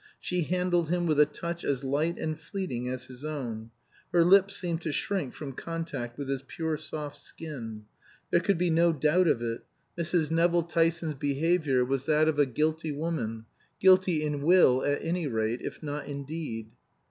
She handled him with a touch as light and fleeting as his own; her lips seemed to shrink from contact with his pure soft skin. There could be no doubt of it, Mrs. Nevill Tyson's behavior was that of a guilty woman guilty in will at any rate, if not in deed.